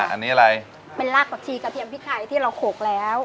อันนี้อะไรเป็นรากผักชีกระเทียมพริกไทยที่เราโขกแล้ว